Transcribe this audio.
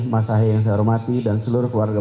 masyarakat yang saya hormati dan seluruh keluarga